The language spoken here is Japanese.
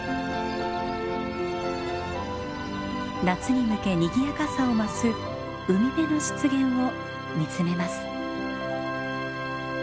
夏に向けにぎやかさを増す海辺の湿原を見つめます。